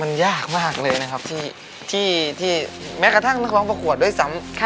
มันยากมากเลยนะครับที่แม้กระทั่งนักร้องประกวดด้วยซ้ำ